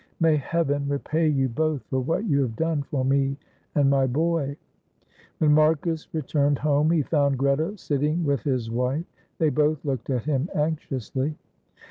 May Heaven repay you both for what you have done for me and my boy." When Marcus returned home he found Greta sitting with his wife; they both looked at him anxiously.